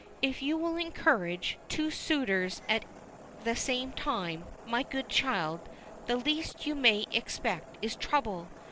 If you will encourage two suitors at the same time, my good child, the least you may expect is trouble.